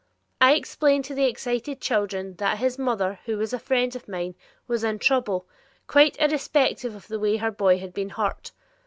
I explained to the excited children that his mother, who was a friend of mine, was in trouble, quite irrespective of the way her boy had been hurt.